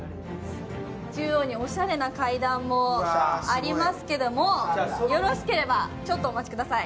中央におしゃれな階段もありますけど、よろしければちょっとお待ちください。